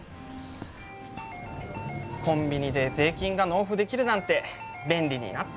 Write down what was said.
コンビニで税金が納付できるなんて便利になったよね。